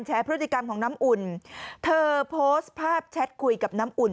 พฤติกรรมของน้ำอุ่นเธอโพสต์ภาพแชทคุยกับน้ำอุ่น